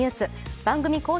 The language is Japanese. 番組公式